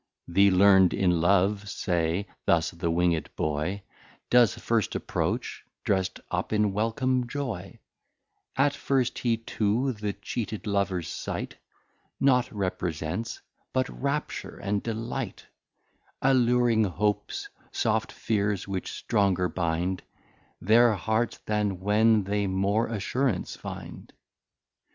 The Learn'd in Love say, Thus the Winged Boy Does first approach, drest up in welcome Joy; At first he to the Cheated Lovers sight Nought represents, but Rapture and Delight, Alluring Hopes, Soft Fears, which stronger bind Their Hearts, than when they more assurance find.